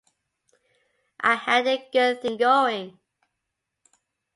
I had a good thing going.